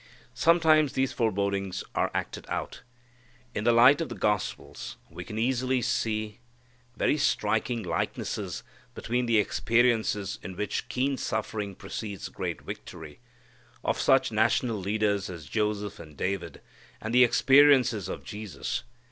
Sometimes these forebodings are acted out. In the light of the Gospels we can easily see very striking likenesses between the experiences in which keen suffering precedes great victory, of such national leaders as Joseph and David, and the experiences of Jesus.